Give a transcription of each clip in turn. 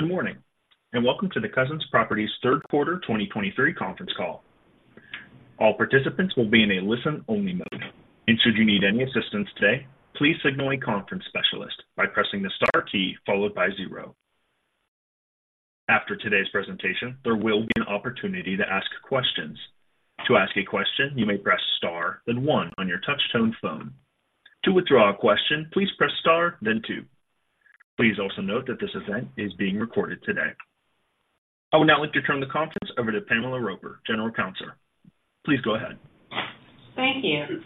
Good morning, and welcome to the Cousins Properties Third Quarter 2023 conference call. All participants will be in a listen-only mode, and should you need any assistance today, please signal a conference specialist by pressing the * key, followed by zero. After today's presentation, there will be an opportunity to ask questions. To ask a question, you may press *, then one on your touchtone phone. To withdraw a question, please press *, then two. Please also note that this event is being recorded today. I would now like to turn the conference over to Pamela Roper, General Counsel. Please go ahead. Thank you.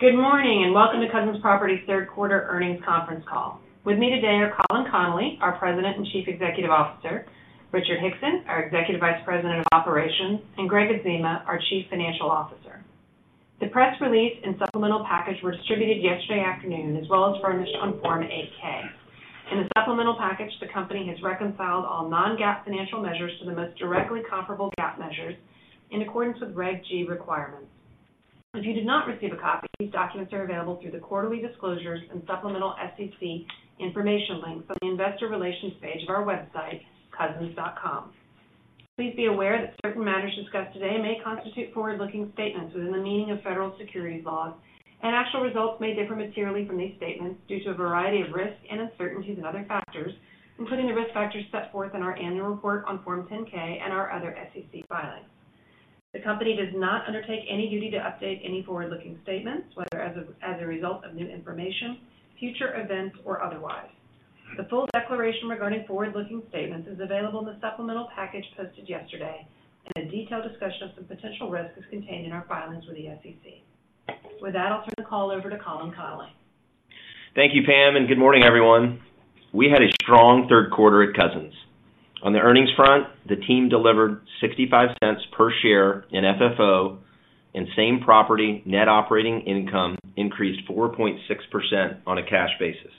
Good morning, and welcome to Cousins Properties third quarter earnings conference call. With me today are Colin Connolly, our President and Chief Executive Officer, Richard Hickson, our Executive Vice President of Operations, and Greggg Adzema, our Chief Financial Officer. The press release and supplemental package were distributed yesterday afternoon, as well as furnished on Form 8-K. In the supplemental package, the company has reconciled all non-GAAP financial measures to the most directly comparable GAAP measures in accordance with Reg G requirements. If you did not receive a copy, these documents are available through the Quarterly Disclosures and supplemental SEC information links on the Investor Relations page of our website, cousins.com. Please be aware that certain matters discussed today may constitute forward-looking statements within the meaning of federal securities laws, and actual results may differ materially from these statements due to a variety of risks and uncertainties and other factors, including the risk factors set forth in our annual report on Form 10-K and our other SEC filings. The company does not undertake any duty to update any forward-looking statements, whether as a result of new information, future events, or otherwise. The full declaration regarding forward-looking statements is available in the supplemental package posted yesterday, and a detailed discussion of the potential risks is contained in our filings with the SEC. With that, I'll turn the call over to Colin Connolly. Thank you, Pam, and good morning, everyone. We had a strong third quarter at Cousins. On the earnings front, the team delivered $0.65 per share in FFO, and same-property net operating income increased 4.6% on a cash basis.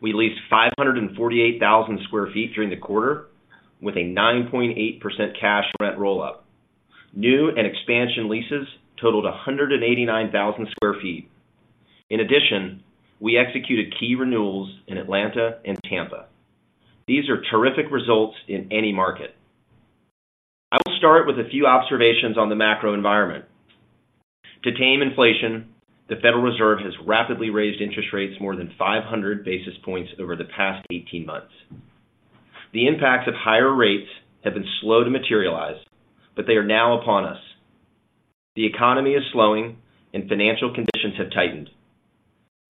We leased 548,000 sq ft during the quarter with a 9.8% cash rent rollout. New and expansion leases totaled 189,000 sq ft. In addition, we executed key renewals in Atlanta and Tampa. These are terrific results in any market. I will start with a few observations on the macro environment. To tame inflation, the Federal Reserve has rapidly raised interest rates more than 500 basis points over the past 18 months. The impacts of higher rates have been slow to materialize, but they are now upon us. The economy is slowing and financial conditions have tightened.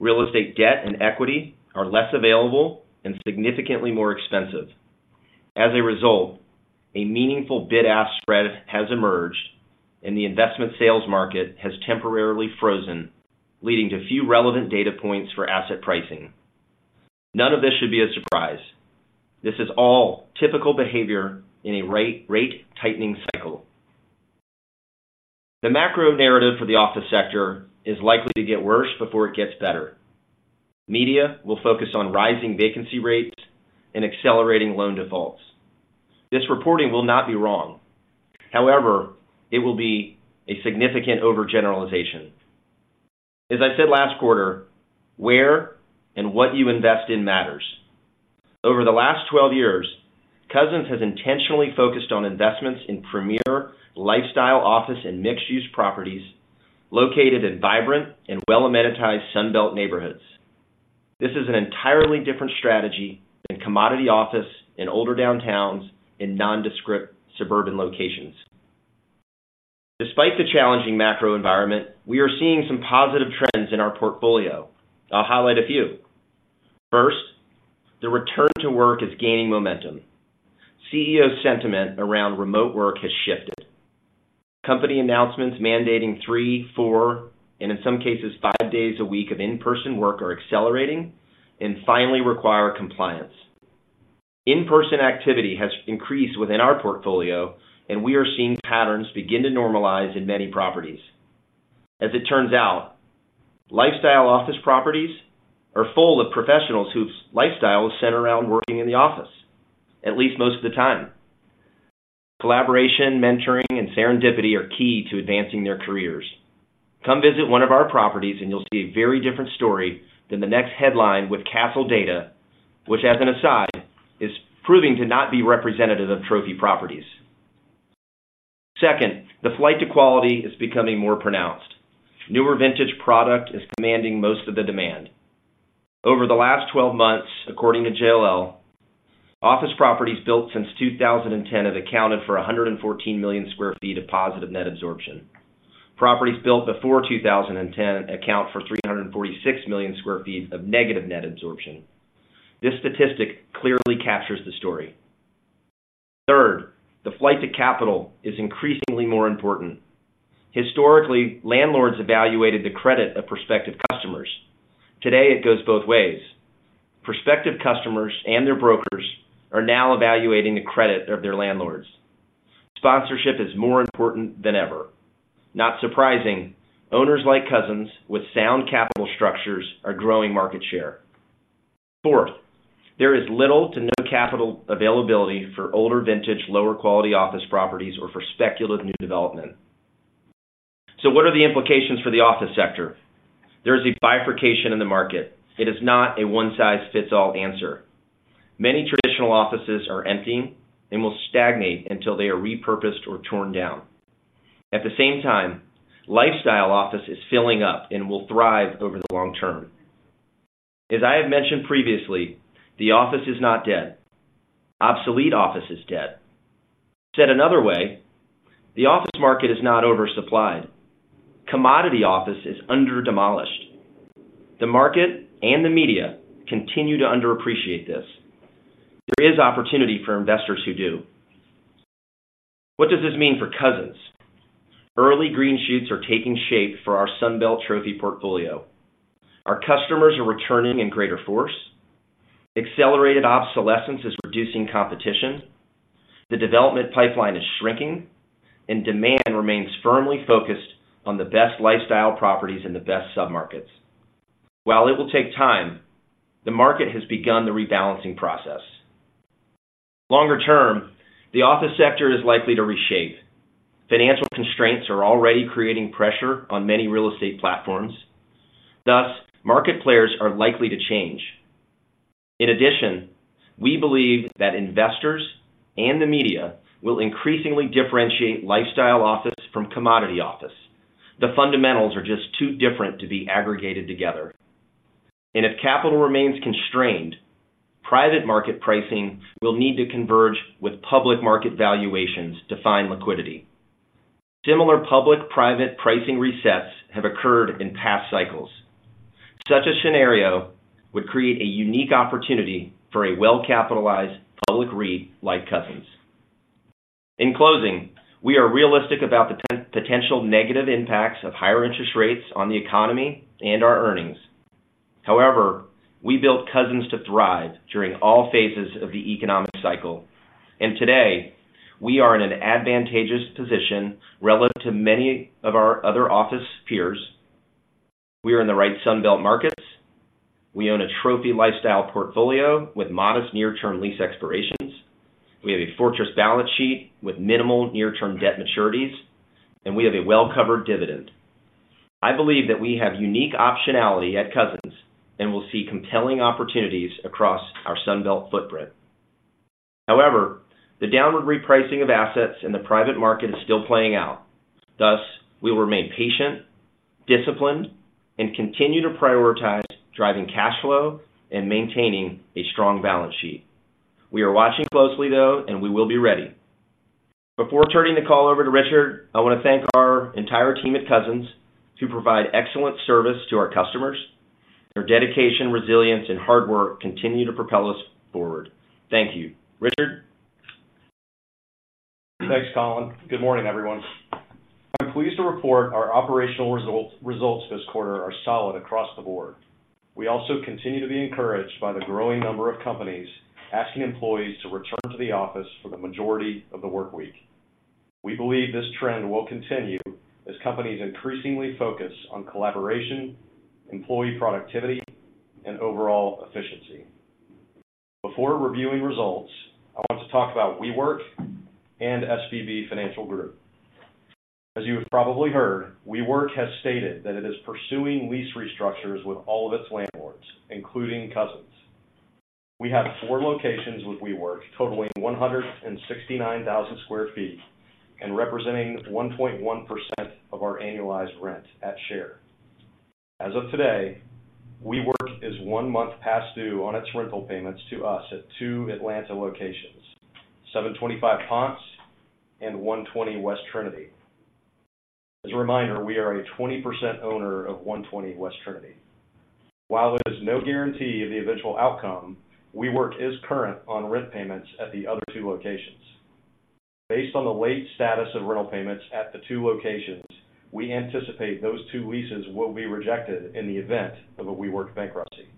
Real estate debt and equity are less available and significantly more expensive. As a result, a meaningful bid-ask spread has emerged and the investment sales market has temporarily frozen, leading to few relevant data points for asset pricing. None of this should be a surprise. This is all typical behavior in a rate, rate tightening cycle. The macro narrative for the office sector is likely to get worse before it gets better. Media will focus on rising vacancy rates and accelerating loan defaults. This reporting will not be wrong. However, it will be a significant overgeneralization. As I said last quarter, where and what you invest in matters. Over the last 12 years, Cousins has intentionally focused on investments in premier lifestyle, office, and mixed-use properties located in vibrant and well-amenitized Sun Belt neighborhoods. This is an entirely different strategy than commodity office in older downtowns in nondescript suburban locations. Despite the challenging macro environment, we are seeing some positive trends in our portfolio. I'll highlight a few. First, the return to work is gaining momentum. CEO sentiment around remote work has shifted. Company announcements mandating three, four, and in some cases, five days a week of in-person work are accelerating and finally require compliance. In-person activity has increased within our portfolio, and we are seeing patterns begin to normalize in many properties. As it turns out, lifestyle office properties are full of professionals whose lifestyle is centered around working in the office, at least most of the time. Collaboration, mentoring, and serendipity are key to advancing their careers. Come visit one of our properties and you'll see a very different story than the next headline with Kastle Data, which, as an aside, is proving to not be representative of trophy properties. Second, the flight to quality is becoming more pronounced. Newer vintage product is commanding most of the demand. Over the last 12 months, according to JLL, office properties built since 2010 have accounted for 114 million sq ft of positive net absorption. Properties built before 2010 account for 346 million sq ft of negative net absorption. This statistic clearly captures the story. Third, the flight to capital is increasingly more important. Historically, landlords evaluated the credit of prospective customers. Today, it goes both ways. Prospective customers and their brokers are now evaluating the credit of their landlords. Sponsorship is more important than ever. Not surprising, owners like Cousins, with sound capital structures, are growing market share. Fourth, there is little to no capital availability for older vintage, lower-quality office properties or for speculative new development.... So what are the implications for the office sector? There is a bifurcation in the market. It is not a one-size-fits-all answer. Many traditional offices are emptying and will stagnate until they are repurposed or torn down. At the same time, lifestyle office is filling up and will thrive over the long term. As I have mentioned previously, the office is not dead. Obsolete office is dead. Said another way, the office market is not oversupplied. Commodity office is under-demolished. The market and the media continue to underappreciate this. There is opportunity for investors who do. What does this mean for Cousins? Early green shoots are taking shape for our Sun Belt trophy portfolio. Our customers are returning in greater force. Accelerated obsolescence is reducing competition. The development pipeline is shrinking, and demand remains firmly focused on the best lifestyle properties in the best submarkets. While it will take time, the market has begun the rebalancing process. Longer term, the office sector is likely to reshape. Financial constraints are already creating pressure on many real estate platforms, thus, market players are likely to change. In addition, we believe that investors and the media will increasingly differentiate lifestyle office from commodity office. The fundamentals are just too different to be aggregated together. And if capital remains constrained, private market pricing will need to converge with public market valuations to find liquidity. Similar public-private pricing resets have occurred in past cycles. Such a scenario would create a unique opportunity for a well-capitalized public REIT like Cousins. In closing, we are realistic about the potential negative impacts of higher interest rates on the economy and our earnings. However, we built Cousins to thrive during all phases of the economic cycle, and today, we are in an advantageous position relative to many of our other office peers. We are in the right Sun Belt markets. We own a trophy lifestyle portfolio with modest near-term lease expirations. We have a fortress balance sheet with minimal near-term debt maturities, and we have a well-covered dividend. I believe that we have unique optionality at Cousins and will see compelling opportunities across our Sun Belt footprint. However, the downward repricing of assets in the private market is still playing out. Thus, we will remain patient, disciplined, and continue to prioritize driving cash flow and maintaining a strong balance sheet. We are watching closely, though, and we will be ready. Before turning the call over to Richard, I want to thank our entire team at Cousins who provide excellent service to our customers. Their dedication, resilience, and hard work continue to propel us forward. Thank you. Richard? Thanks, Colin. Good morning, everyone. I'm pleased to report our operational result, results this quarter are solid across the board. We also continue to be encouraged by the growing number of companies asking employees to return to the office for the majority of the workweek. We believe this trend will continue as companies increasingly focus on collaboration, employee productivity, and overall efficiency. Before reviewing results, I want to talk about WeWork and SVB Financial Group. As you have probably heard, WeWork has stated that it is pursuing lease restructures with all of its landlords, including Cousins. We have four locations with WeWork, totaling 169,000 sq ft and representing 1.1% of our annualized rent at share. As of today, WeWork is one month past due on its rental payments to us at two Atlanta locations: 725 Ponce and 120 West Trinity. As a reminder, we are a 20% owner of 120 West Trinity. While there is no guarantee of the eventual outcome, WeWork is current on rent payments at the other two locations. Based on the late status of rental payments at the two locations, we anticipate those two leases will be rejected in the event of a WeWork bankruptcy.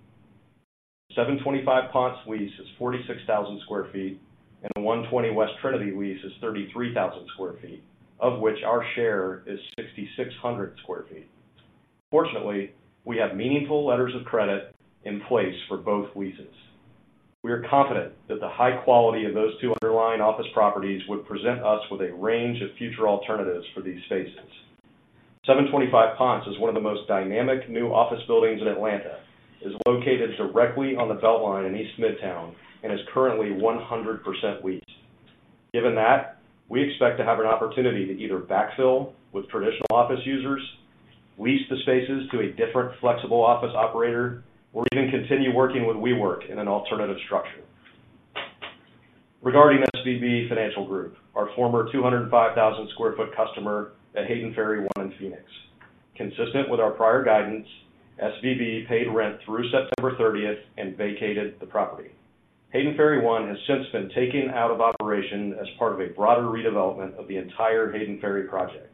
725 Ponce lease is 46,000 sq ft, and the 120 West Trinity lease is 33,000 sq ft, of which our share is 6,600 sq ft. Fortunately, we have meaningful letters of credit in place for both leases. We are confident that the high quality of those two underlying office properties would present us with a range of future alternatives for these spaces. 725 Ponce is one of the most dynamic new office buildings in Atlanta, is located directly on the BeltLine in East Midtown and is currently 100% leased. Given that, we expect to have an opportunity to either backfill with traditional office users, lease the spaces to a different flexible office operator, or even continue working with WeWork in an alternative structure. Regarding SVB Financial Group, our former 205,000 sq ft customer at Hayden Ferry One in Phoenix, consistent with our prior guidance, SVB paid rent through September 30th and vacated the property. Hayden Ferry One has since been taken out of operation as part of a broader redevelopment of the entire Hayden Ferry project.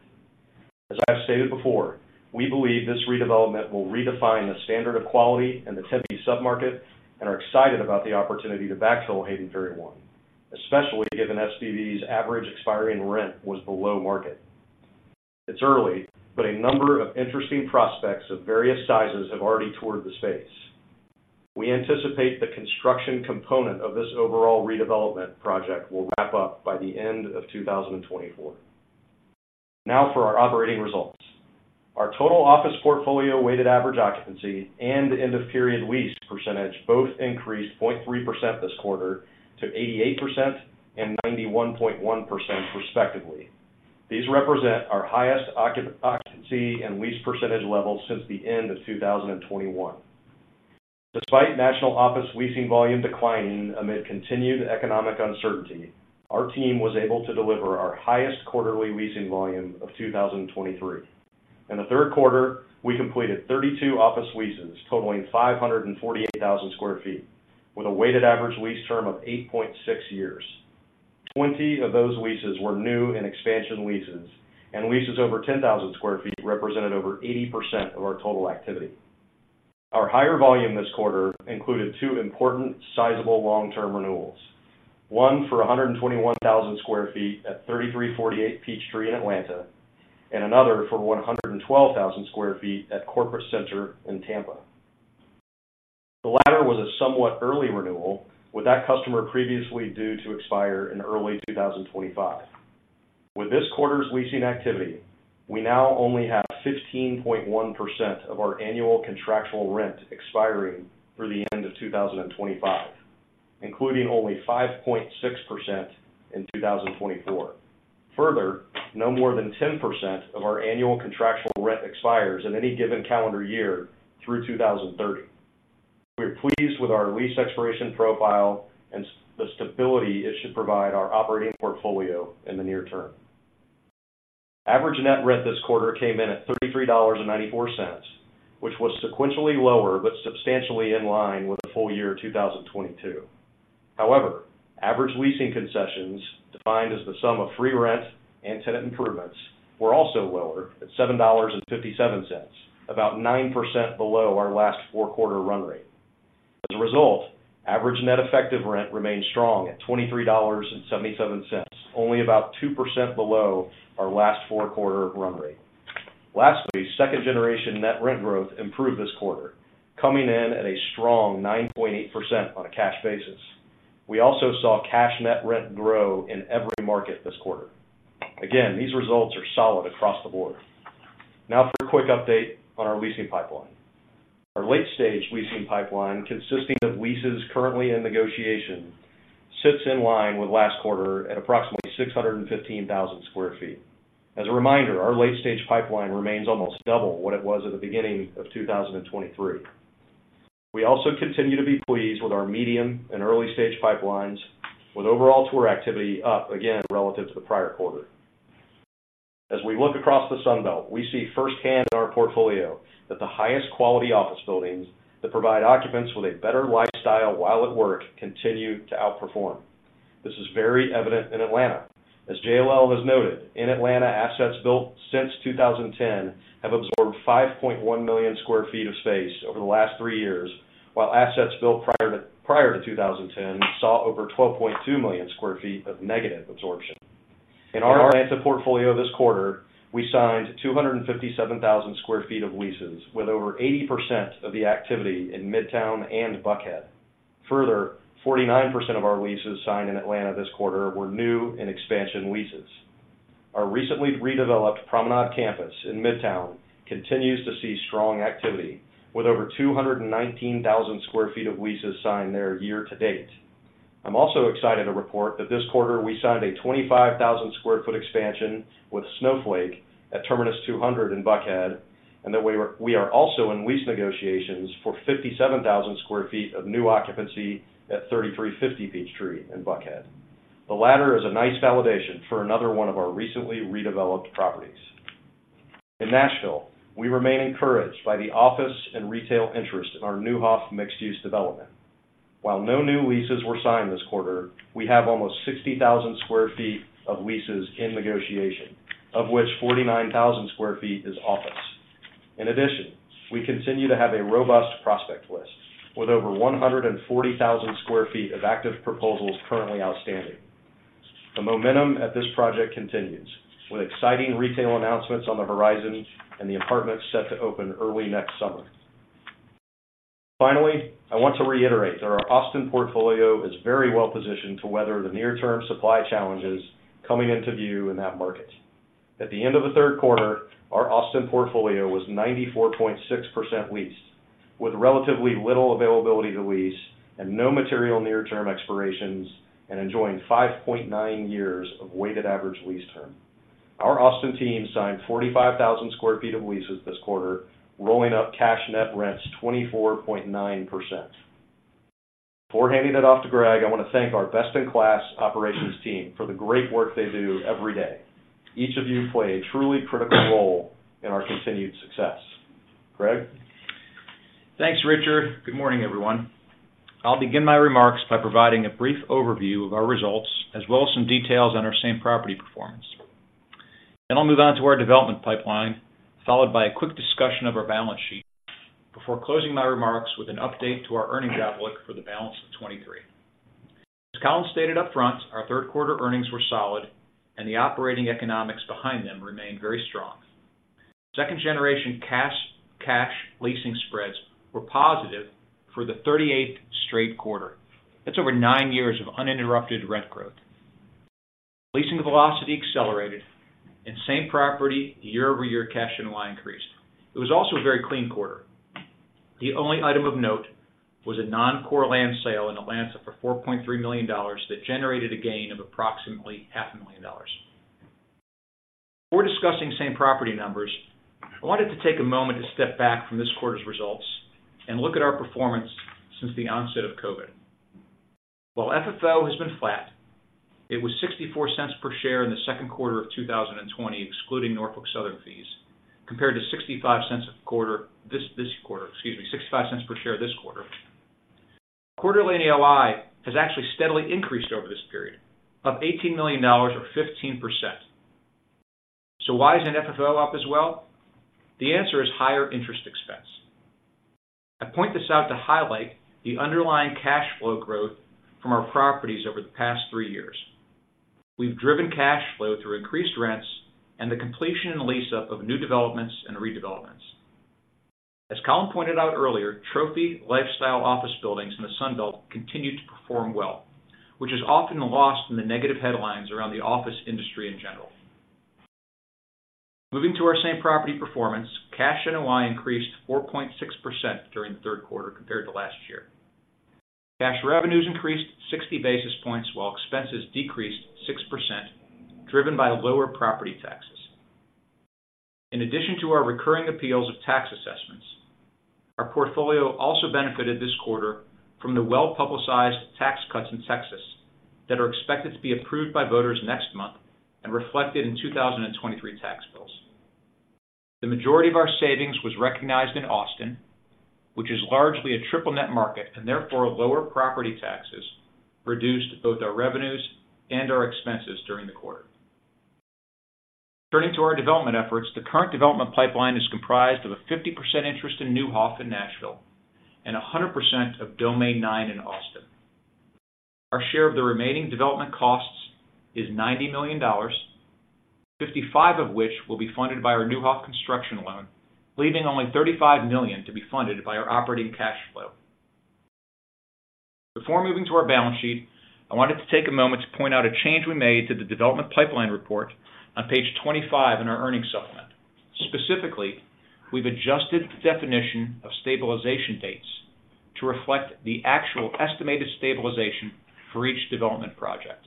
As I've stated before, we believe this redevelopment will redefine the standard of quality in the Tempe submarket and are excited about the opportunity to backfill Hayden Ferry One, especially given SVB's average expiring rent was below market. It's early, but a number of interesting prospects of various sizes have already toured the space.... We anticipate the construction component of this overall redevelopment project will wrap up by the end of 2024. Now, for our operating results. Our total office portfolio weighted average occupancy and end-of-period lease percentage both increased 0.3% this quarter to 88% and 91.1%, respectively. These represent our highest occupancy and lease percentage levels since the end of 2021. Despite national office leasing volume declining amid continued economic uncertainty, our team was able to deliver our highest quarterly leasing volume of 2023. In the third quarter, we completed 32 office leases, totaling 548,000 sq ft, with a weighted average lease term of 8.6 years. Twenty of those leases were new in expansion leases, and leases over 10,000 sq ft represented over 80% of our total activity. Our higher volume this quarter included two important sizable long-term renewals: one for 121,000 sq ft at 3348 Peachtree in Atlanta, and another for 112,000 sq ft at Corporate Center in Tampa. The latter was a somewhat early renewal, with that customer previously due to expire in early 2025. With this quarter's leasing activity, we now only have 15.1% of our annual contractual rent expiring through the end of 2025, including only 5.6% in 2024. Further, no more than 10% of our annual contractual rent expires in any given calendar year through 2030. We're pleased with our lease expiration profile and the stability it should provide our operating portfolio in the near term. Average net rent this quarter came in at $33.94, which was sequentially lower, but substantially in line with the full year 2022. However, average leasing concessions, defined as the sum of free rent and tenant improvements, were also lower at $7.57, about 9% below our last four quarter run rate. As a result, average net effective rent remains strong at $23.77, only about 2% below our last four quarter run rate. Lastly, second generation net rent growth improved this quarter, coming in at a strong 9.8% on a cash basis. We also saw cash net rent grow in every market this quarter. Again, these results are solid across the board. Now for a quick update on our leasing pipeline. Our late stage leasing pipeline, consisting of leases currently in negotiation, sits in line with last quarter at approximately 615,000 sq ft. As a reminder, our late stage pipeline remains almost double what it was at the beginning of 2023. We also continue to be pleased with our medium and early stage pipelines, with overall tour activity up again relative to the prior quarter. As we look across the Sun Belt, we see firsthand in our portfolio that the highest quality office buildings that provide occupants with a better lifestyle while at work continue to outperform. This is very evident in Atlanta. As JLL has noted, in Atlanta, assets built since 2010 have absorbed 5.1 million sq ft of space over the last three years, while assets built prior to 2010 saw over 12.2 million sq ft of negative absorption. In our Atlanta portfolio this quarter, we signed 257,000 sq ft of leases, with over 80% of the activity in Midtown and Buckhead. Further, 49% of our leases signed in Atlanta this quarter were new and expansion leases. Our recently redeveloped Promenade Campus in Midtown continues to see strong activity, with over 219,000 sq ft of leases signed there year to date. I'm also excited to report that this quarter we signed a 25,000 sq ft expansion with Snowflake at Terminus 200 in Buckhead, and that we are also in lease negotiations for 57,000 sq ft of new occupancy at 3350 Peachtree in Buckhead. The latter is a nice validation for another one of our recently redeveloped properties. In Nashville, we remain encouraged by the office and retail interest in our Neuhoff mixed-use development. While no new leases were signed this quarter, we have almost 60,000 sq ft of leases in negotiation, of which 49,000 sq ft is office. In addition, we continue to have a robust prospect list, with over 140,000 sq ft of active proposals currently outstanding. The momentum at this project continues, with exciting retail announcements on the horizon and the apartments set to open early next summer. Finally, I want to reiterate that our Austin portfolio is very well positioned to weather the near-term supply challenges coming into view in that market. At the end of the third quarter, our Austin portfolio was 94.6% leased, with relatively little availability to lease and no material near-term expirations, and enjoying 5.9 years of weighted average lease term. Our Austin team signed 45,000 sq ft of leases this quarter, rolling up cash net rents 24.9%. Before handing it off to Gregg, I want to thank our best-in-class operations team for the great work they do every day. Each of you play a truly critical role in our continued success. Gregg? Thanks, Richard. Good morning, everyone. I'll begin my remarks by providing a brief overview of our results, as well as some details on our Same-Property performance. Then I'll move on to our development pipeline, followed by a quick discussion of our balance sheet, before closing my remarks with an update to our earnings outlook for the balance of 2023.... As Colin stated up front, our third quarter earnings were solid and the operating economics behind them remained very strong. Second-generation cash leasing spreads were positive for the 38th straight quarter. That's over 9 years of uninterrupted rent growth. Leasing velocity accelerated and Same-Property year-over-year cash NOI increased. It was also a very clean quarter. The only item of note was a non-core land sale in Atlanta for $4.3 million that generated a gain of approximately $500,000. Before discussing same property numbers, I wanted to take a moment to step back from this quarter's results and look at our performance since the onset of COVID. While FFO has been flat, it was $0.64 per share in the second quarter of 2020, excluding Norfolk Southern fees, compared to $0.65 per share this quarter. Quarterly NOI has actually steadily increased over this period, up $18 million or 15%. Why isn't FFO up as well? The answer is higher interest expense. I point this out to highlight the underlying cash flow growth from our properties over the past three years. We've driven cash flow through increased rents and the completion and lease-up of new developments and redevelopments. As Colin pointed out earlier, trophy lifestyle office buildings in the Sun Belt continue to perform well, which is often lost in the negative headlines around the office industry in general. Moving to our same-property performance, cash NOI increased 4.6% during the third quarter compared to last year. Cash revenues increased 60 basis points, while expenses decreased 6%, driven by lower property taxes. In addition to our recurring appeals of tax assessments, our portfolio also benefited this quarter from the well-publicized tax cuts in Texas that are expected to be approved by voters next month and reflected in 2023 tax bills. The majority of our savings was recognized in Austin, which is largely a triple-net market, and therefore, lower property taxes reduced both our revenues and our expenses during the quarter. Turning to our development efforts, the current development pipeline is comprised of a 50% interest in Neuhoff in Nashville and 100% of Domain Nine in Austin. Our share of the remaining development costs is $90 million, $55 million of which will be funded by our Neuhoff construction loan, leaving only $35 million to be funded by our operating cash flow. Before moving to our balance sheet, I wanted to take a moment to point out a change we made to the development pipeline report on page 25 in our earnings supplement. Specifically, we've adjusted the definition of stabilization dates to reflect the actual estimated stabilization for each development project.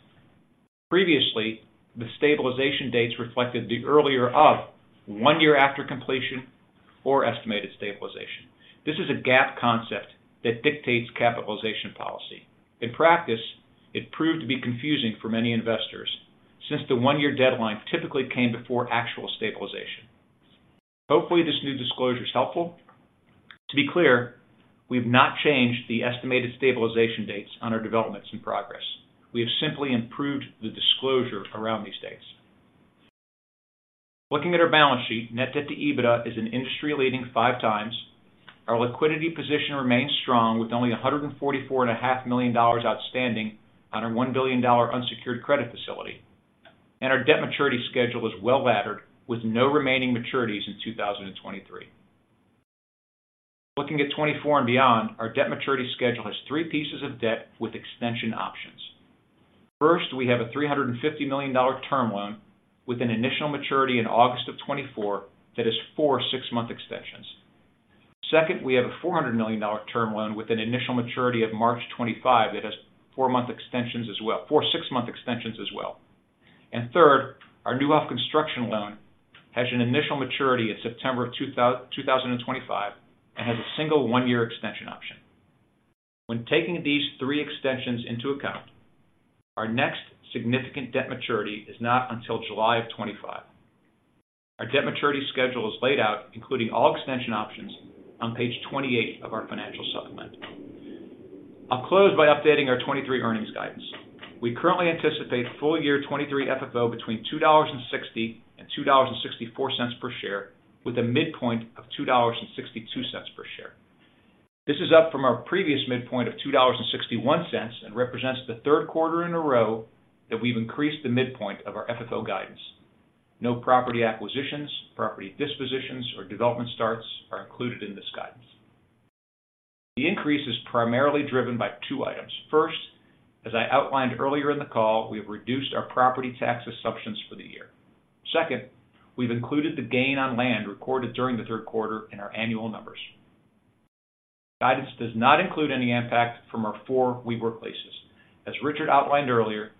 Previously, the stabilization dates reflected the earlier of one year after completion or estimated stabilization. This is a GAAP concept that dictates capitalization policy. In practice, it proved to be confusing for many investors since the one-year deadline typically came before actual stabilization. Hopefully, this new disclosure is helpful. To be clear, we've not changed the estimated stabilization dates on our developments in progress. We have simply improved the disclosure around these dates. Looking at our balance sheet, net debt to EBITDA is an industry-leading 5 times. Our liquidity position remains strong, with only $144.5 million outstanding on our $1 billion unsecured credit facility, and our debt maturity schedule is well-laddered, with no remaining maturities in 2023. Looking at 2024 and beyond, our debt maturity schedule has 3 pieces of debt with extension options. First, we have a $350 million term loan with an initial maturity in August of 2024, that is 4 six-month extensions. Second, we have a $400 million term loan with an initial maturity of March 2025. It has four six-month extensions as well. Third, our Neuhoff construction loan has an initial maturity in September of 2025, and has a single one-year extension option. When taking these three extensions into account, our next significant debt maturity is not until July of 2025. Our debt maturity schedule is laid out, including all extension options, on page 28 of our financial supplement. I'll close by updating our 2023 earnings guidance. We currently anticipate full year 2023 FFO between $2.60-$2.64 per share, with a midpoint of $2.62 per share. This is up from our previous midpoint of $2.61, and represents the third quarter in a row that we've increased the midpoint of our FFO guidance. No property acquisitions, property dispositions, or development starts are included in this guidance. The increase is primarily driven by two items. First, as I outlined earlier in the call, we have reduced our property tax assumptions for the year. Second, we've included the gain on land recorded during the third quarter in our annual numbers. Guidance does not include any impact from our four WeWork places. As Richard outlined earlier,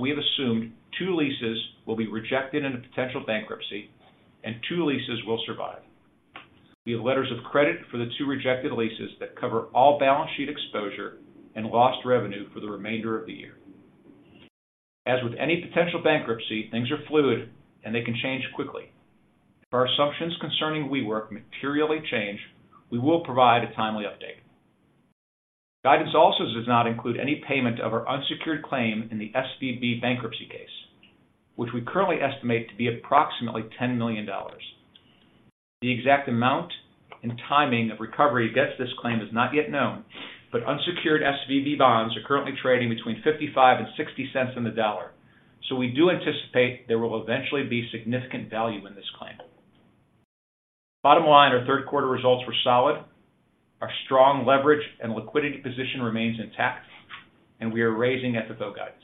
we have assumed two leases will be rejected in a potential bankruptcy and two leases will survive. We have letters of credit for the two rejected leases that cover all balance sheet exposure and lost revenue for the remainder of the year. As with any potential bankruptcy, things are fluid and they can change quickly. If our assumptions concerning WeWork materially change, we will provide a timely update. Guidance also does not include any payment of our unsecured claim in the SVB bankruptcy case, which we currently estimate to be approximately $10 million. ...The exact amount and timing of recovery against this claim is not yet known, but unsecured SVB bonds are currently trading between 55-60 cents on the dollar. So we do anticipate there will eventually be significant value in this claim. Bottom line, our third quarter results were solid. Our strong leverage and liquidity position remains intact, and we are raising FFO guidance.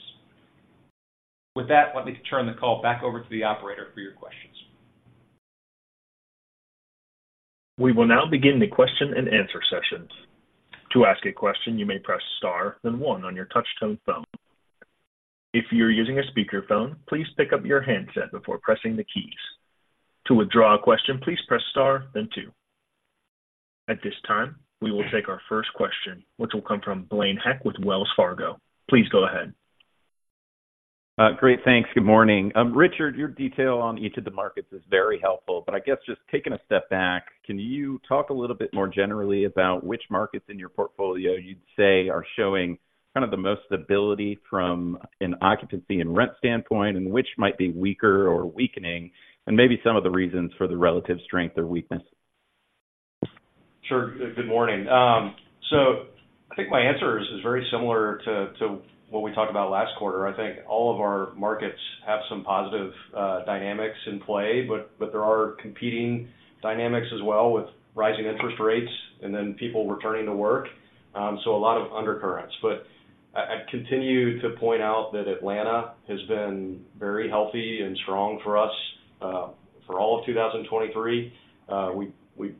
With that, let me turn the call back over to the operator for your questions. We will now begin the question-and-answer sessions. To ask a question, you may press *, then one on your touchtone phone. If you're using a speakerphone, please pick up your handset before pressing the keys. To withdraw a question, please press *, then two. At this time, we will take our first question, which will come from Blaine Heck with Wells Fargo. Please go ahead. Great, thanks. Good morning. Richard, your detail on each of the markets is very helpful, but I guess just taking a step back, can you talk a little bit more generally about which markets in your portfolio you'd say are showing kind of the most stability from an occupancy and rent standpoint, and which might be weaker or weakening, and maybe some of the reasons for the relative strength or weakness? Sure. Good morning. So I think my answer is very similar to what we talked about last quarter. I think all of our markets have some positive dynamics in play, but there are competing dynamics as well, with rising interest rates and then people returning to work. So a lot of undercurrents. But I continue to point out that Atlanta has been very healthy and strong for us for all of 2023. We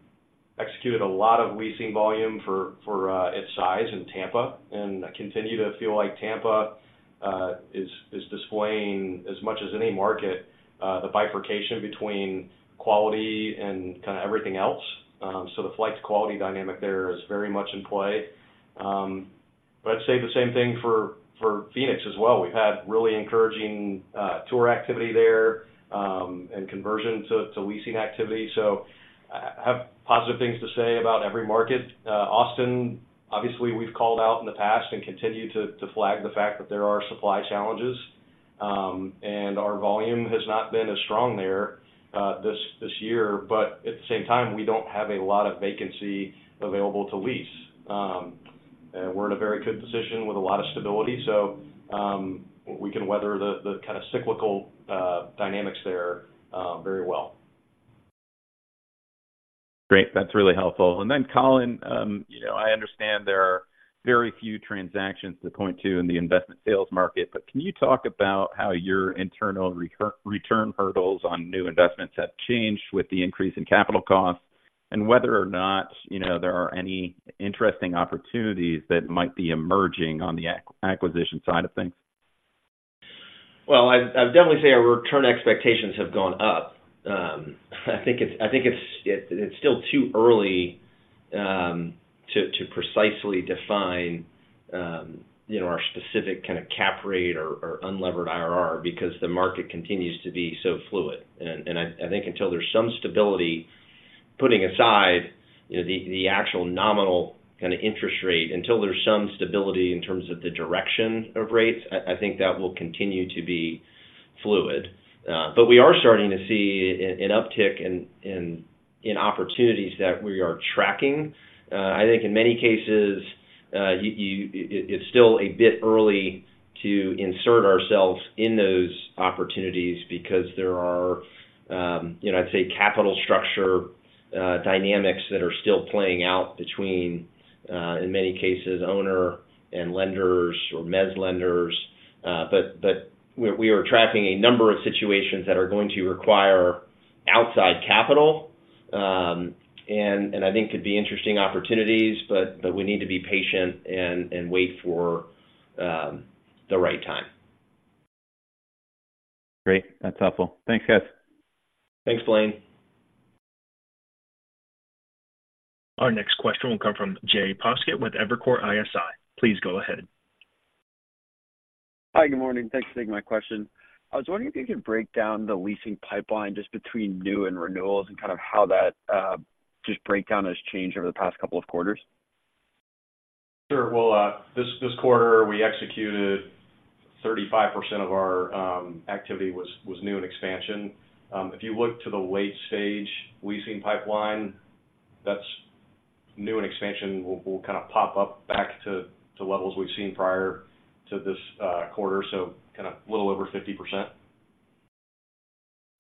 executed a lot of leasing volume for its size in Tampa, and I continue to feel like Tampa is displaying, as much as any market, the bifurcation between quality and kinda everything else. So the flight to quality dynamic there is very much in play. But I'd say the same thing for Phoenix as well. We've had really encouraging tour activity there, and conversion to leasing activity. So I have positive things to say about every market. Austin, obviously, we've called out in the past and continue to flag the fact that there are supply challenges. And our volume has not been as strong there, this year. But at the same time, we don't have a lot of vacancy available to lease. And we're in a very good position with a lot of stability, so we can weather the kind of cyclical dynamics there, very well. Great. That's really helpful. And then, Colin, you know, I understand there are very few transactions to point to in the investment sales market, but can you talk about how your internal return hurdles on new investments have changed with the increase in capital costs? And whether or not, you know, there are any interesting opportunities that might be emerging on the acquisition side of things? Well, I'd definitely say our return expectations have gone up. I think it's still too early to precisely define you know our specific kind of cap rate or unlevered IRR because the market continues to be so fluid. And I think until there's some stability, putting aside you know the actual nominal kind of interest rate, until there's some stability in terms of the direction of rates, I think that will continue to be fluid. But we are starting to see an uptick in opportunities that we are tracking. I think in many cases, it's still a bit early to insert ourselves in those opportunities because there are, you know, I'd say, capital structure dynamics that are still playing out between, in many cases, owner and lenders or mezz lenders. But we are tracking a number of situations that are going to require outside capital, and I think could be interesting opportunities, but we need to be patient and wait for the right time. Great. That's helpful. Thanks, guys. Thanks, Blaine. Our next question will come from Jay Poskitt with Evercore ISI. Please go ahead. Hi, good morning. Thanks for taking my question. I was wondering if you could break down the leasing pipeline just between new and renewals, and kind of how that, just breakdown has changed over the past couple of quarters. Sure. Well, this quarter, we executed 35% of our activity was new in expansion. If you look to the late-stage leasing pipeline, that's new in expansion, will kind of pop up back to levels we've seen prior to this quarter, so kind of a little over 50%.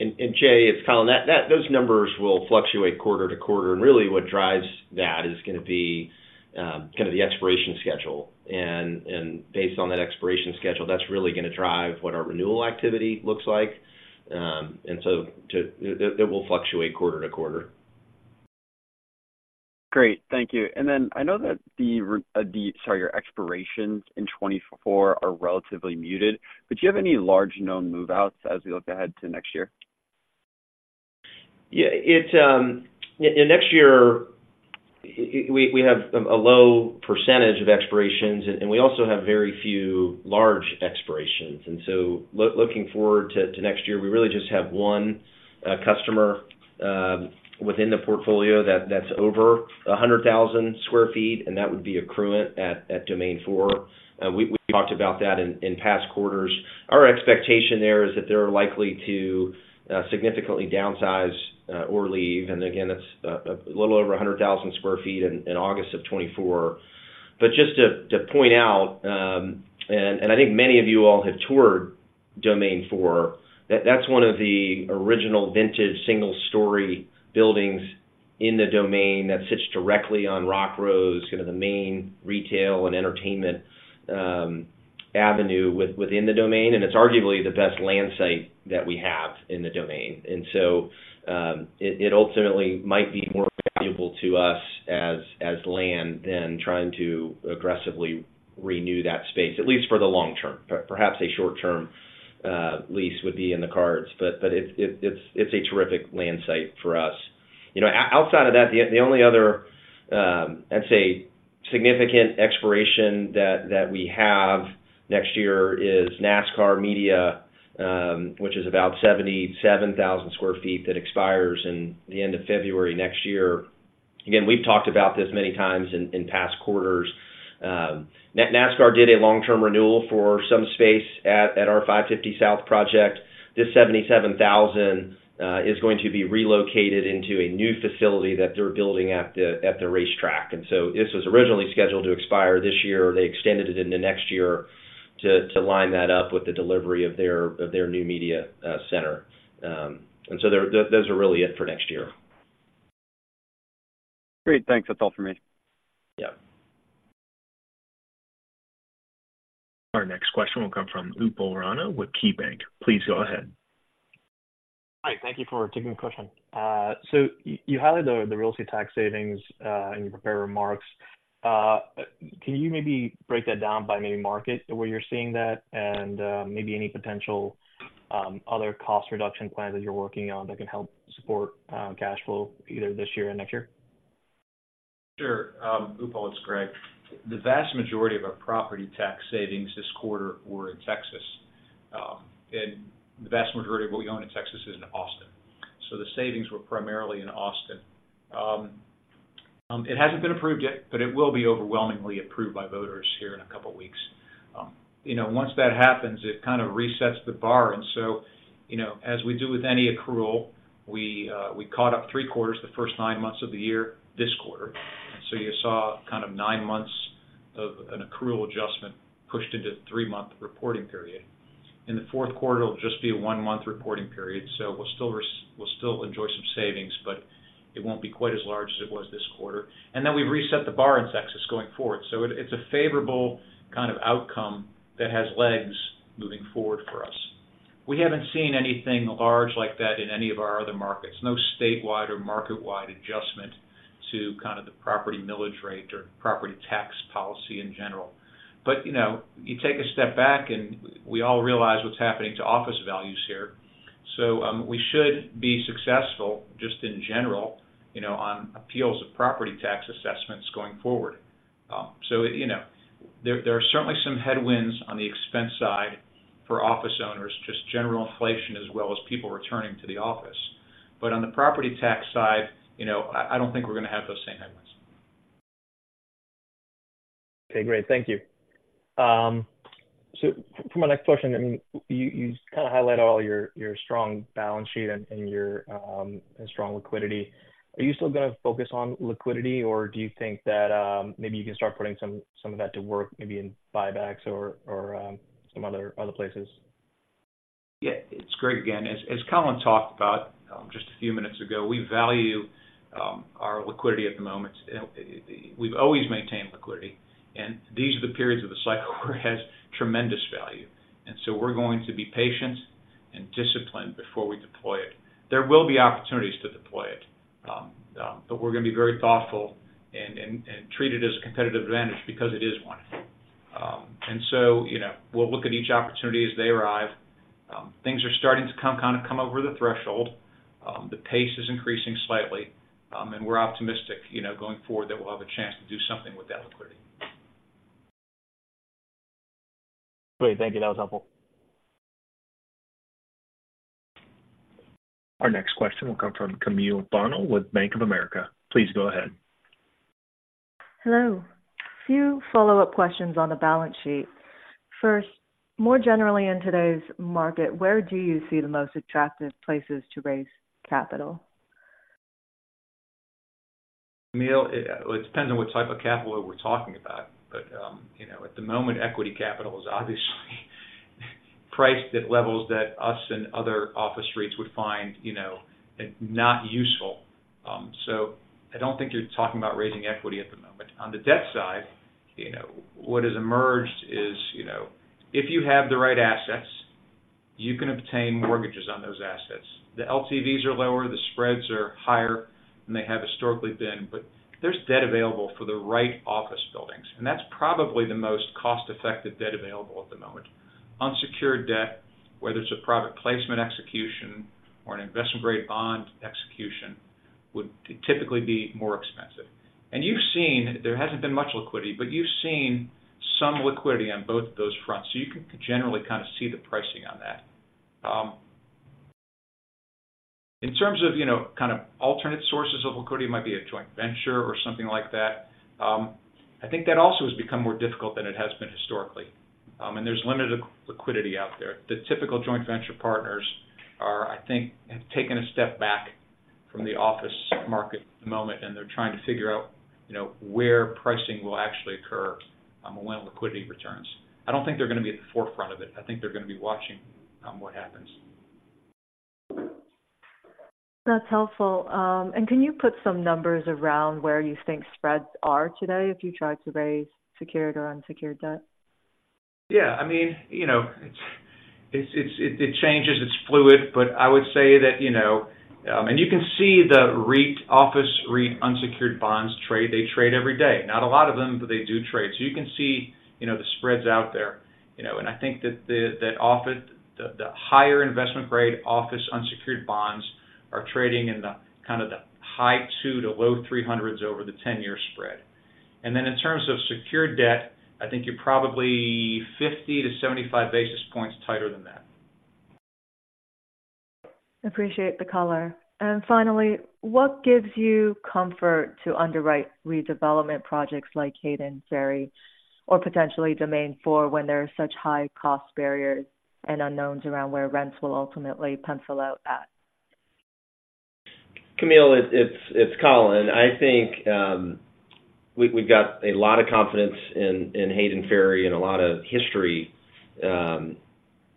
Jay, it's Colin. Those numbers will fluctuate quarter to quarter, and really what drives that is gonna be kind of the expiration schedule. And based on that expiration schedule, that's really gonna drive what our renewal activity looks like. It will fluctuate quarter to quarter. Great. Thank you. And then I know that the expirations in 2024 are relatively muted, but do you have any large known move-outs as we look ahead to next year? Yeah, next year, we have a low percentage of expirations, and we also have very few large expirations. And so looking forward to next year, we really just have one customer within the portfolio that's over 100,000 sq ft, and that would be Accruent at Domain Four. We talked about that in past quarters. Our expectation there is that they're likely to significantly downsize or leave. And again, that's a little over 100,000 sq ft in August 2024. Just to point out, and I think many of you all have toured Domain Four, that's one of the original vintage single-story buildings in the Domain that sits directly on Rock Rose, kind of the main retail and entertainment avenue within the Domain, and it's arguably the best land site that we have in the Domain. It ultimately might be more valuable to us as land than trying to aggressively renew that space, at least for the long term. Perhaps a short-term lease would be in the cards, but it's a terrific land site for us. You know, outside of that, the only other, I'd say, significant expiration that we have next year is NASCAR Media, which is about 77,000 sq ft, that expires at the end of February next year. Again, we've talked about this many times in past quarters. NASCAR did a long-term renewal for some space at our 550 South project. This 77,000 is going to be relocated into a new facility that they're building at the racetrack. And so this was originally scheduled to expire this year. They extended it into next year to line that up with the delivery of their new media center. And so those are really it for next year. Great. Thanks. That's all for me. Yeah. Our next question will come from Upal Ranadive with KeyBank. Please go ahead. Hi. Thank you for taking the question. So you highlighted the real estate tax savings in your prepared remarks. Can you maybe break that down by maybe market, where you're seeing that, and maybe any potential other cost reduction plans that you're working on that can help support cash flow, either this year or next year? Sure. Upal, it's Gregg. The vast majority of our property tax savings this quarter were in Texas. And the vast majority of what we own in Texas is in Austin, so the savings were primarily in Austin. It hasn't been approved yet, but it will be overwhelmingly approved by voters here in a couple of weeks. You know, once that happens, it kind of resets the bar, and so, you know, as we do with any accrual, we, we caught up 3 quarters, the first 9 months of the year, this quarter. And so you saw kind of 9 months of an accrual adjustment pushed into the 3-month reporting period. In the fourth quarter, it'll just be a 1-month reporting period, so we'll still enjoy some savings, but it won't be quite as large as it was this quarter. Then we've reset the bar in Texas going forward, so it's a favorable kind of outcome that has legs moving forward for us. We haven't seen anything large like that in any of our other markets, no statewide or market-wide adjustment to the property millage rate or property tax policy in general. But you know, you take a step back, and we all realize what's happening to office values here, so we should be successful, just in general, you know, on appeals of property tax assessments going forward. So you know, there are certainly some headwinds on the expense side for office owners, just general inflation, as well as people returning to the office. But on the property tax side, you know, I don't think we're gonna have those same headwinds. Okay, great. Thank you. So for my next question, I mean, you kind of highlighted all your strong balance sheet and your strong liquidity. Are you still gonna focus on liquidity, or do you think that maybe you can start putting some of that to work, maybe in buybacks or some other places? Yeah, it's great. Again, as Colin talked about just a few minutes ago, we value our liquidity at the moment. We've always maintained liquidity, and these are the periods of the cycle where it has tremendous value, and so we're going to be patient and disciplined before we deploy it. There will be opportunities to deploy it, but we're gonna be very thoughtful and treat it as a competitive advantage because it is one. And so, you know, we'll look at each opportunity as they arrive. Things are starting to kind of come over the threshold. The pace is increasing slightly, and we're optimistic, you know, going forward, that we'll have a chance to do something with that liquidity. Great. Thank you. That was helpful. Our next question will come from Camille Bonnel with Bank of America. Please go ahead. Hello. A few follow-up questions on the balance sheet. First, more generally, in today's market, where do you see the most attractive places to raise capital? Camille, well, it depends on what type of capital we're talking about. But, you know, at the moment, equity capital is obviously priced at levels that us and other office REITs would find, you know, not useful. So I don't think you're talking about raising equity at the moment. On the debt side, you know, what has emerged is, you know, if you have the right assets, you can obtain mortgages on those assets. The LTVs are lower, the spreads are higher than they have historically been, but there's debt available for the right office buildings, and that's probably the most cost-effective debt available at the moment. Unsecured debt, whether it's a private placement execution or an investment-grade bond execution, would typically be more expensive. And you've seen there hasn't been much liquidity, but you've seen some liquidity on both of those fronts, so you can generally kind of see the pricing on that. In terms of, you know, kind of alternate sources of liquidity, might be a joint venture or something like that, I think that also has become more difficult than it has been historically, and there's limited liquidity out there. The typical joint venture partners are, I think, have taken a step back.... from the office market at the moment, and they're trying to figure out, you know, where pricing will actually occur, when liquidity returns. I don't think they're gonna be at the forefront of it. I think they're gonna be watching what happens. That's helpful. Can you put some numbers around where you think spreads are today if you tried to raise secured or unsecured debt? Yeah. I mean, you know, it changes, it's fluid. But I would say that, you know, and you can see the REIT office, REIT unsecured bonds trade, they trade every day. Not a lot of them, but they do trade. So you can see, you know, the spreads out there, you know, and I think that that office – the higher investment grade office unsecured bonds are trading in the kind of the high 200s-low 300s over the 10-year spread. And then in terms of secured debt, I think you're probably 50-75 basis points tighter than that. Appreciate the color. And finally, what gives you comfort to underwrite redevelopment projects like Hayden Ferry or potentially Domain Four, when there are such high cost barriers and unknowns around where rents will ultimately pencil out at? Camille, it's Colin. I think we've got a lot of confidence in Hayden Ferry and a lot of history in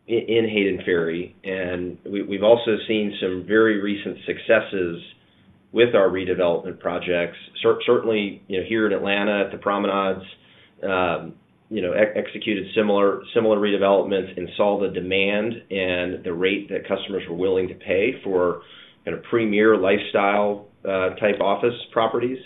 Hayden Ferry. And we've also seen some very recent successes with our redevelopment projects. Certainly, you know, here in Atlanta, at the Promenade, you know, executed similar redevelopments and saw the demand and the rate that customers were willing to pay for at a premier lifestyle type office properties.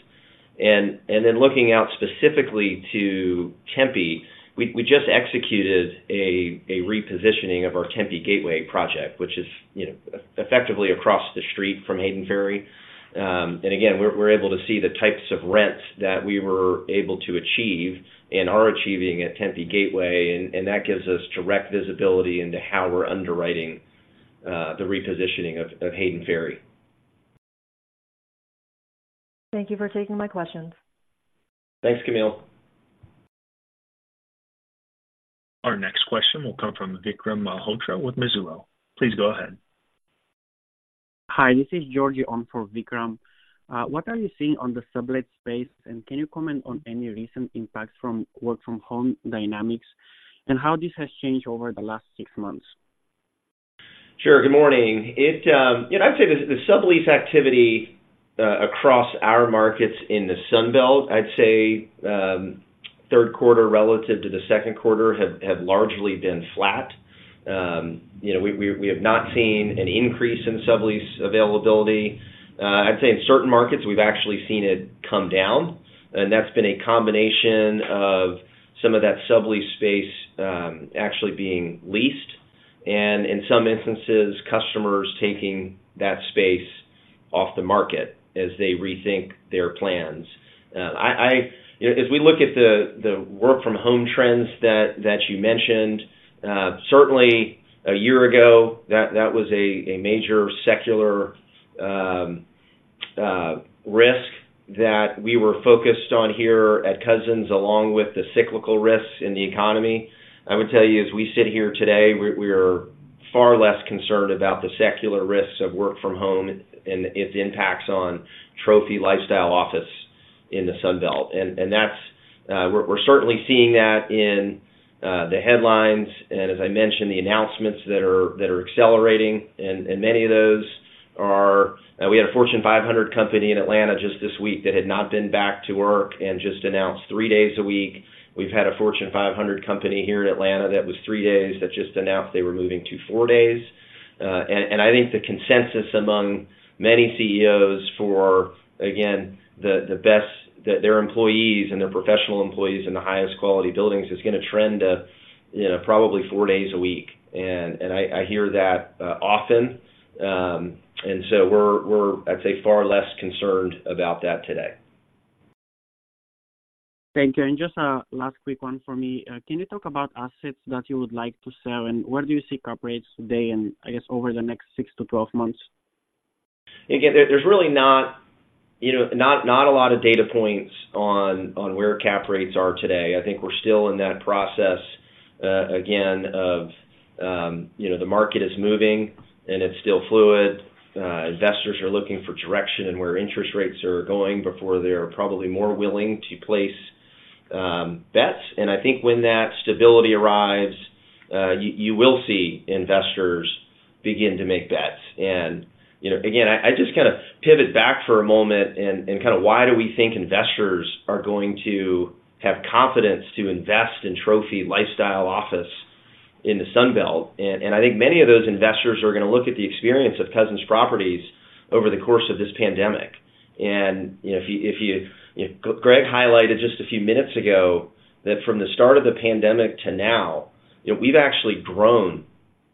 And then looking out specifically to Tempe, we just executed a repositioning of our Tempe Gateway project, which is, you know, effectively across the street from Hayden Ferry. And again, we're able to see the types of rents that we were able to achieve and are achieving at Tempe Gateway, and that gives us direct visibility into how we're underwriting the repositioning of Hayden Ferry. Thank you for taking my questions. Thanks, Camille. Our next question will come from Vikram Malhotra with Mizuho. Please go ahead. Hi, this is George, on for Vikram. What are you seeing on the sublet space, and can you comment on any recent impacts from work from home dynamics and how this has changed over the last six months? Sure. Good morning. You know, I'd say the sublease activity across our markets in the Sun Belt, I'd say third quarter relative to the second quarter have largely been flat. You know, we have not seen an increase in sublease availability. I'd say in certain markets, we've actually seen it come down, and that's been a combination of some of that sublease space actually being leased, and in some instances, customers taking that space off the market as they rethink their plans. I-- as we look at the work from home trends that you mentioned, certainly a year ago, that was a major secular risk that we were focused on here at Cousins, along with the cyclical risks in the economy. I would tell you, as we sit here today, we're, we are far less concerned about the secular risks of work from home and its impacts on trophy lifestyle office in the Sun Belt. And that's, we're certainly seeing that in the headlines, and as I mentioned, the announcements that are accelerating, and many of those are we had a Fortune 500 company in Atlanta just this week that had not been back to work and just announced three days a week. We've had a Fortune 500 company here in Atlanta that was three days, that just announced they were moving to four days. And I think the consensus among many CEOs for, again, the best, that their employees and their professional employees in the highest quality buildings, is gonna trend to, you know, probably four days a week. And I hear that often. And so we're, I'd say, far less concerned about that today. Thank you. Just a last quick one for me. Can you talk about assets that you would like to sell, and where do you see cap rates today, and I guess over the next 6-12 months? Again, there's really not, you know, not a lot of data points on where cap rates are today. I think we're still in that process, again, of you know, the market is moving and it's still fluid. Investors are looking for direction and where interest rates are going before they're probably more willing to place bets. And I think when that stability arrives, you will see investors begin to make bets. And, you know, again, I just kind of pivot back for a moment and kind of why do we think investors are going to have confidence to invest in trophy lifestyle office in the Sun Belt? And I think many of those investors are gonna look at the experience of Cousins Properties over the course of this pandemic. You know, if you, Greggg highlighted just a few minutes ago that from the start of the pandemic to now, you know, we've actually grown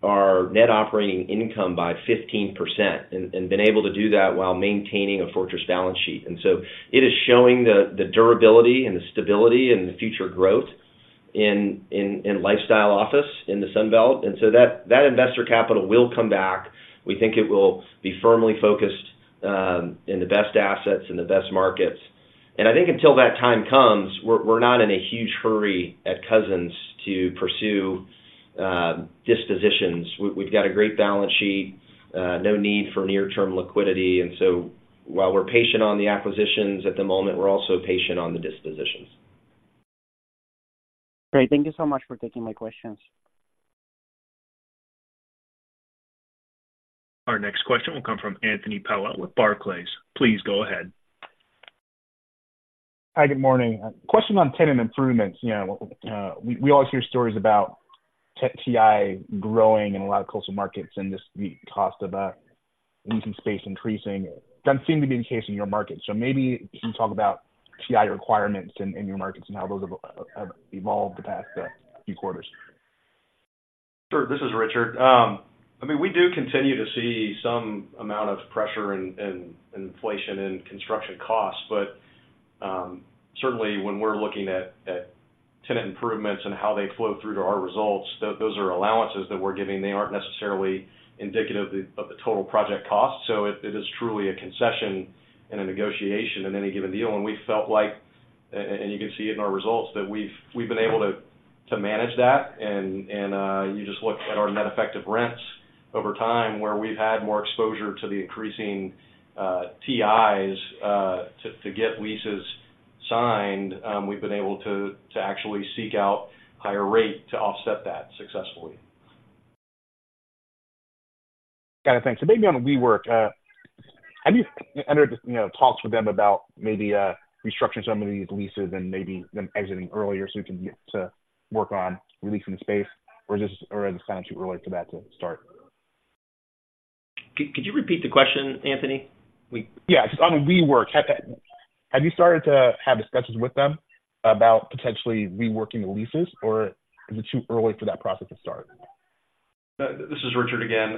our net operating income by 15% and been able to do that while maintaining a fortress balance sheet. And so it is showing the durability and the stability and the future growth in lifestyle office in the Sun Belt. And so that investor capital will come back. We think it will be firmly focused in the best assets, in the best markets.... And I think until that time comes, we're not in a huge hurry at Cousins to pursue dispositions. We've got a great balance sheet, no need for near-term liquidity. And so while we're patient on the acquisitions at the moment, we're also patient on the dispositions. Great. Thank you so much for taking my questions. Our next question will come from Anthony Powell with Barclays. Please go ahead. Hi, good morning. A question on tenant improvements. You know, we always hear stories about TI growing in a lot of coastal markets and just the cost of leasing space increasing. Doesn't seem to be the case in your market. So maybe can you talk about TI requirements in your markets and how those have evolved the past few quarters? Sure. This is Richard. I mean, we do continue to see some amount of pressure and inflation in construction costs. But certainly when we're looking at tenant improvements and how they flow through to our results, those are allowances that we're giving. They aren't necessarily indicative of the total project cost. So it is truly a concession in a negotiation in any given deal. And we felt like, and you can see it in our results, that we've been able to manage that. And you just look at our net effective rents over time, where we've had more exposure to the increasing TIs to get leases signed, we've been able to actually seek out higher rate to offset that successfully. Got it. Thanks. So maybe on WeWork, have you entered, you know, talks with them about maybe restructuring some of these leases and maybe them exiting earlier so you can get to work on releasing the space? Or is this or is it too early for that to start? Could you repeat the question, Anthony? We- Yeah, just on WeWork, have you started to have discussions with them about potentially reworking the leases, or is it too early for that process to start? This is Richard again.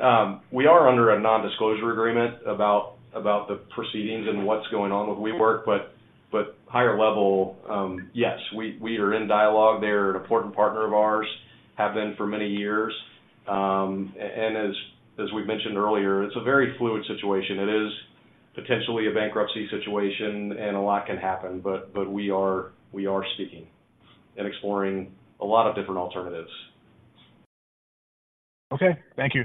We are under a nondisclosure agreement about the proceedings and what's going on with WeWork. But higher level, yes, we are in dialogue. They're an important partner of ours, have been for many years. And as we've mentioned earlier, it's a very fluid situation. It is potentially a bankruptcy situation, and a lot can happen, but we are speaking and exploring a lot of different alternatives. Okay, thank you.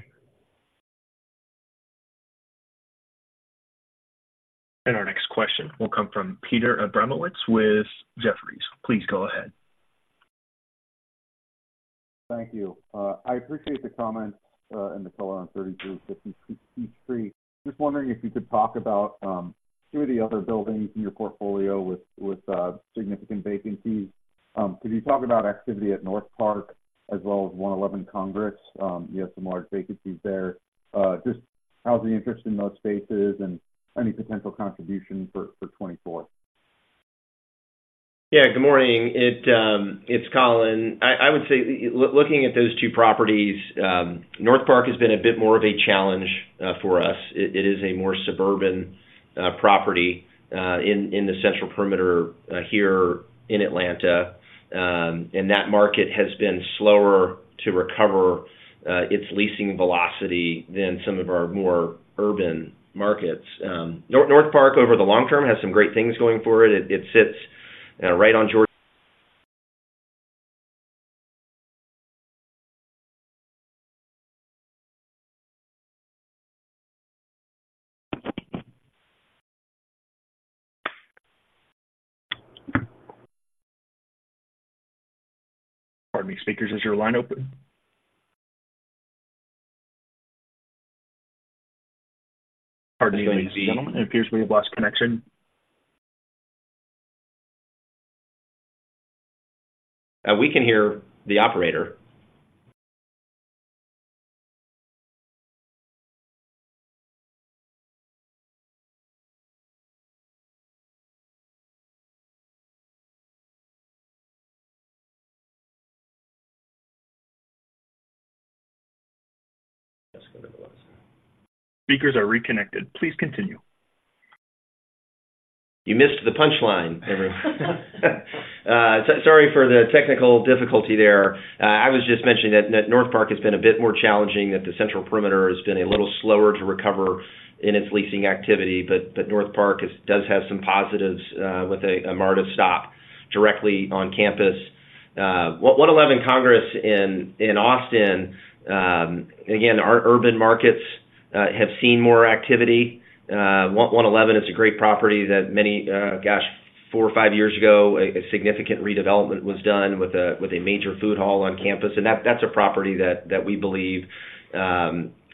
Our next question will come from Peter Abramowitz with Jefferies. Please go ahead. Thank you. I appreciate the comments and the color on 3253 Peachtree. Just wondering if you could talk about two of the other buildings in your portfolio with significant vacancies. Could you talk about activity at NorthPark as well as 111 Congress? You have some large vacancies there. Just how's the interest in those spaces and any potential contribution for 2024? Yeah, good morning. It, it's Colin. I would say, looking at those two properties, NorthPark has been a bit more of a challenge for us. It is a more suburban property in the Central Perimeter here in Atlanta. And that market has been slower to recover its leasing velocity than some of our more urban markets. NorthPark, over the long term, has some great things going for it. It sits right on Georgia- Pardon me, speakers, is your line open? Pardon me, ladies and gentlemen, it appears we have lost connection. We can hear the operator. Speakers are reconnected. Please continue. You missed the punchline, everyone. So, sorry for the technical difficulty there. I was just mentioning that NorthPark has been a bit more challenging, that the Central Perimeter has been a little slower to recover in its leasing activity, but NorthPark does have some positives, with a MARTA stop directly on campus. 111 Congress in Austin, again, our urban markets have seen more activity. 111 Congress is a great property that many, gosh, four or five years ago, a significant redevelopment was done with a major food hall on campus. And that's a property that we believe,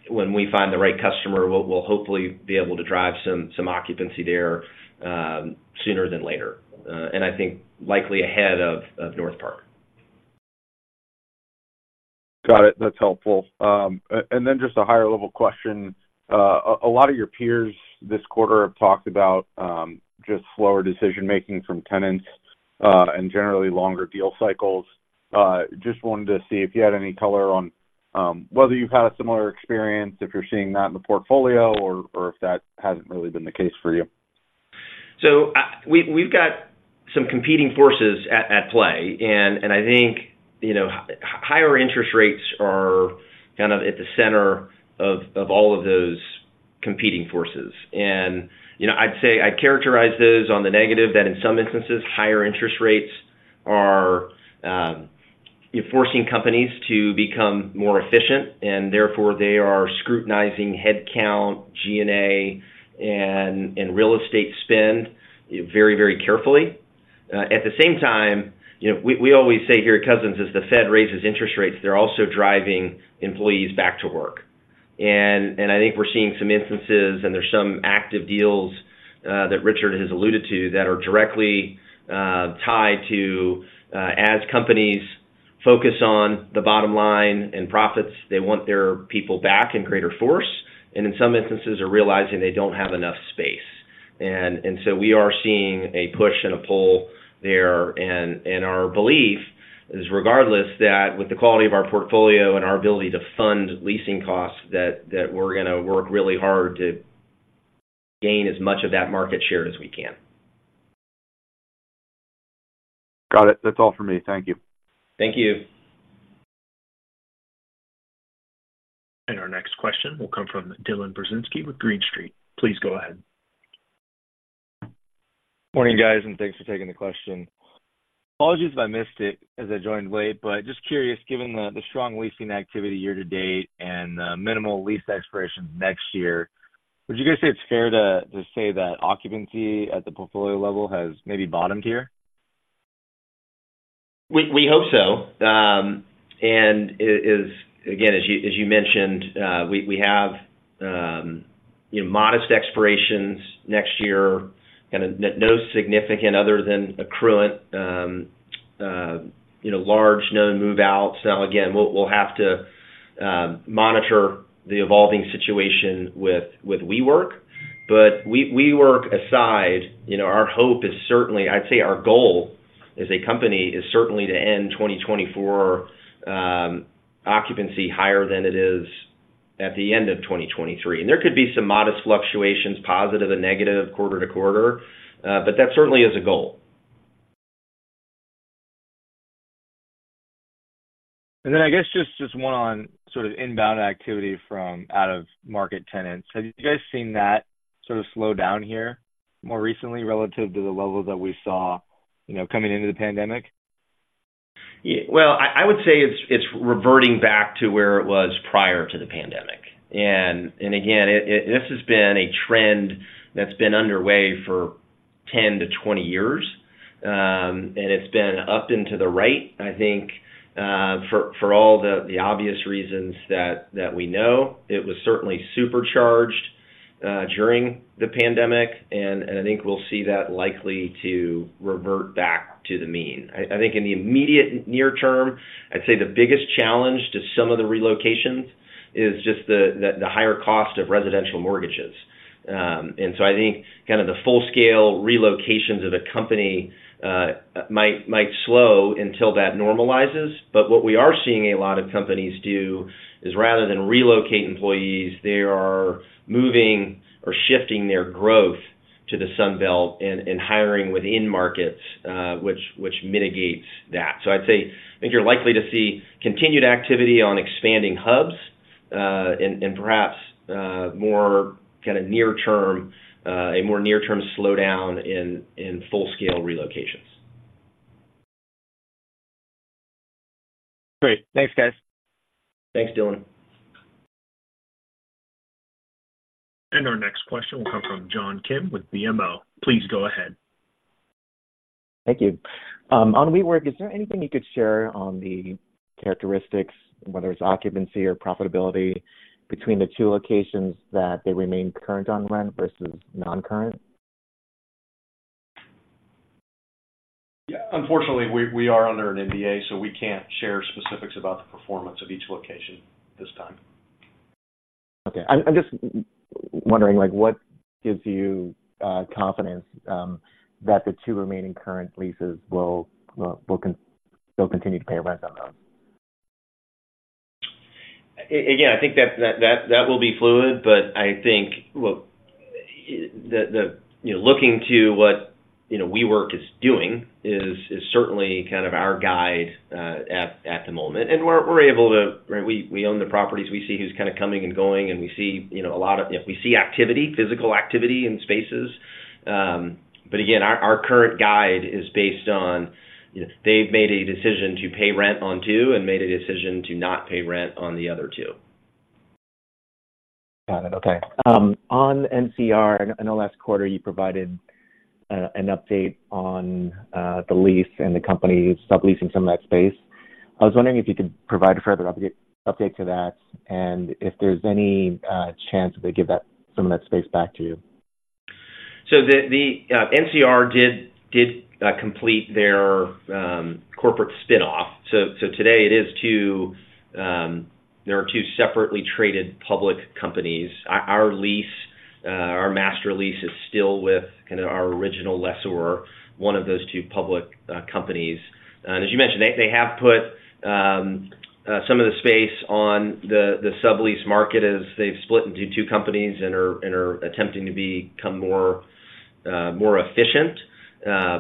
when we find the right customer, will hopefully be able to drive some occupancy there, sooner than later, and I think likely ahead of NorthPark. Got it. That's helpful. And then just a higher-level question. A lot of your peers this quarter have talked about just slower decision-making from tenants and generally longer deal cycles. Just wanted to see if you had any color on whether you've had a similar experience, if you're seeing that in the portfolio or if that hasn't really been the case for you. So, we've got some competing forces at play. And I think, you know, higher interest rates are kind of at the center of all of those competing forces. And, you know, I'd say I'd characterize those on the negative, that in some instances, higher interest rates are forcing companies to become more efficient, and therefore, they are scrutinizing headcount, G&A, and real estate spend very, very carefully. At the same time, you know, we always say here at Cousins, as the Fed raises interest rates, they're also driving employees back to work. I think we're seeing some instances, and there's some active deals that Richard has alluded to, that are directly tied to, as companies focus on the bottom line and profits, they want their people back in greater force, and in some instances, are realizing they don't have enough space. And so we are seeing a push and a pull there. And our belief is, regardless, that with the quality of our portfolio and our ability to fund leasing costs, that we're gonna work really hard to gain as much of that market share as we can. Got it. That's all for me. Thank you. Thank you. Our next question will come from Dylan Burzinski with Green Street. Please go ahead. Morning, guys, and thanks for taking the question. Apologies if I missed it, as I joined late, but just curious, given the strong leasing activity year to date and minimal lease expirations next year, would you guys say it's fair to say that occupancy at the portfolio level has maybe bottomed here? We hope so. And it is... Again, as you mentioned, we have you know, modest expirations next year, kind of, no significant other than Accruent, you know, large, known move-outs. Now, again, we'll have to monitor the evolving situation with WeWork. But WeWork aside, you know, our hope is certainly-- I'd say our goal as a company is certainly to end 2024 occupancy higher than it is at the end of 2023. And there could be some modest fluctuations, positive and negative, quarter to quarter, but that certainly is a goal. And then, I guess, just one on sort of inbound activity from out-of-market tenants. Have you guys seen that sort of slow down here more recently relative to the level that we saw, you know, coming into the pandemic? Yeah. Well, I would say it's reverting back to where it was prior to the pandemic. And again, this has been a trend that's been underway for 10-20 years. And it's been up and to the right, I think, for all the obvious reasons that we know. It was certainly supercharged during the pandemic, and I think we'll see that likely to revert back to the mean. I think in the immediate near term, I'd say the biggest challenge to some of the relocations is just the higher cost of residential mortgages. And so I think kind of the full-scale relocations of the company might slow until that normalizes. But what we are seeing a lot of companies do is rather than relocate employees, they are moving or shifting their growth to the Sun Belt and hiring within markets, which mitigates that. So I'd say, I think you're likely to see continued activity on expanding hubs, and perhaps more kind of near term, a more near-term slowdown in full-scale relocations. Great. Thanks, guys. Thanks, Dylan. Our next question will come from John Kim with BMO. Please go ahead. Thank you. On WeWork, is there anything you could share on the characteristics, whether it's occupancy or profitability, between the two locations, that they remain current on rent versus non-current? Yeah, unfortunately, we are under an NDA, so we can't share specifics about the performance of each location this time. Okay. I'm just wondering, like, what gives you confidence that the two remaining current leases will continue to pay rent on those? Again, I think that will be fluid, but I think, look, the-- You know, looking to what, you know, WeWork is doing is certainly kind of our guide at the moment. And we're able to... Right, we own the properties. We see who's kind of coming and going, and we see, you know, a lot of-- If we see activity, physical activity in spaces... But again, our current guide is based on, you know, they've made a decision to pay rent on two and made a decision to not pay rent on the other two. Got it. Okay. On NCR, I know last quarter you provided an update on the lease and the company subleasing some of that space. I was wondering if you could provide a further update to that, and if there's any chance they give that some of that space back to you. So the NCR did complete their corporate spin-off. So today it is two, there are two separately traded public companies. Our lease, our master lease is still with kind of our original lessor, one of those two public companies. And as you mentioned, they have put some of the space on the sublease market as they've split into two companies and are attempting to become more efficient.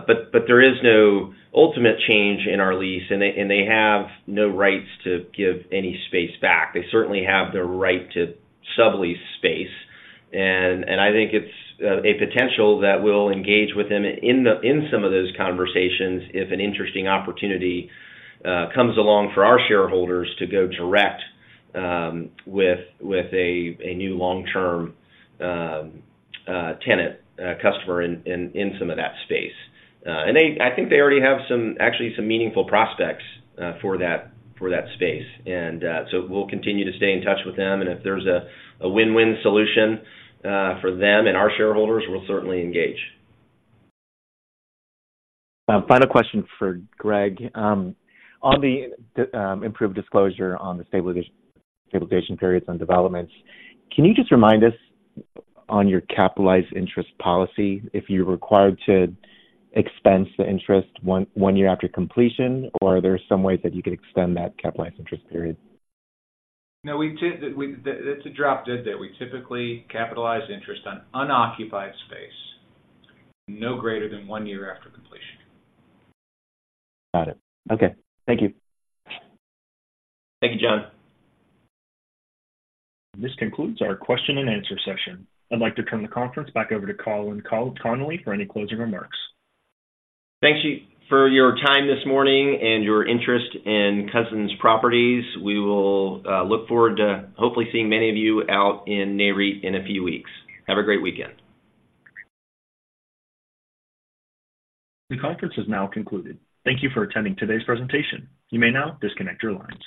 But there is no ultimate change in our lease, and they have no rights to give any space back. They certainly have the right to sublease space, and I think it's a potential that we'll engage with them in some of those conversations if an interesting opportunity comes along for our shareholders to go direct with a new long-term tenant customer in some of that space. And they—I think they already have some actually some meaningful prospects for that space. And so we'll continue to stay in touch with them, and if there's a win-win solution for them and our shareholders, we'll certainly engage. Final question for Gregg. On the improved disclosure on the stabilization periods and developments, can you just remind us on your capitalized interest policy, if you're required to expense the interest one year after completion, or are there some ways that you could extend that capitalized interest period? No, that's a drop dead date. We typically capitalize interest on unoccupied space, no greater than one year after completion. Got it. Okay. Thank you. Thank you, John. This concludes our question and answer session. I'd like to turn the conference back over to Colin Connolly for any closing remarks. Thank you for your time this morning and your interest in Cousins Properties. We will look forward to hopefully seeing many of you out in NAREIT in a few weeks. Have a great weekend. The conference is now concluded. Thank you for attending today's presentation. You may now disconnect your lines.